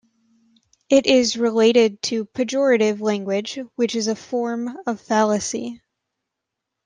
It is related to pejorative language, which is a form of fallacy.